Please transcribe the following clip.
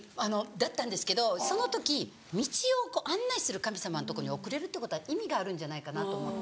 だったんですけどその時道を案内する神様のとこに遅れるってことは意味があるんじゃないかなと思って。